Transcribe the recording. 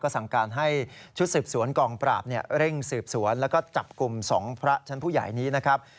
สั่งการให้ชุดสืบสวนกองปราบเร่งสืบสวนแล้วก็จับกลุ่ม๒พระชั้นผู้ใหญ่นี้นะครับ